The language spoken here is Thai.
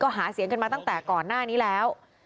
หาเสียงกันมาตั้งแต่ก่อนหน้านี้แล้ว